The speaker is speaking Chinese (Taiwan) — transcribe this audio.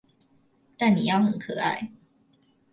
但你要很可愛